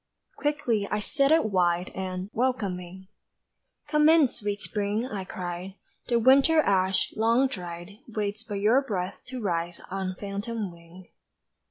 Quickly I set it wide And, welcoming, "Come in, sweet Spring," I cried, "The winter ash, long dried, Waits but your breath to rise On phantom wing."